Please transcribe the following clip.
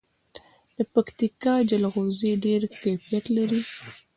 د پکتیکا جلغوزي ډیر کیفیت لري.